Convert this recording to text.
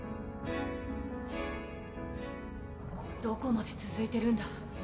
どこまでつづいてるんだ？